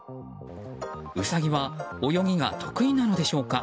ウサギは泳ぎが得意なのでしょうか。